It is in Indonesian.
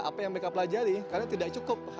apa yang mereka pelajari karena tidak cukup